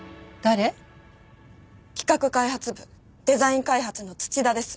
企画開発部デザイン開発の土田です。